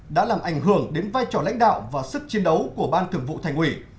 đã làm ảnh hưởng đến vai trò lãnh đạo và sức chiến đấu của ban thường vụ thành ủy